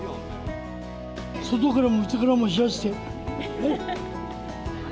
外からも内からも冷やしてね。